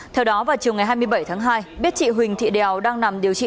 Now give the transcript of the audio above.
theo đó vào chiều ngày hai mươi bảy tháng hai biết chị huỳnh thị đèo đang nằm điều trị